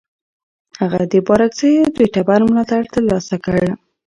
هغه د بارکزیو د ټبر ملاتړ ترلاسه کړ.